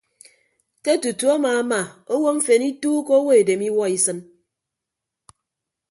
Ke tutu amaama owo mfen ituukọ owo edem iwuọ isịn.